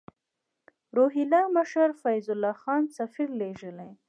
روهیله مشر فیض الله خان سفیر لېږلی.